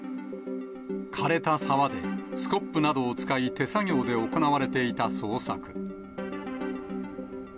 かれた沢でスコップなどを使い、手作業で行われていた捜索。